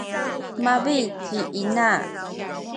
mabi’ ci ina.